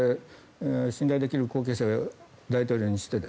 信頼できる後継者を大統領にして。